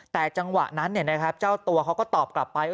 แต่จังหวะนั้นเนี่ยนะครับเจ้าตัวเขาก็ตอบกลับไป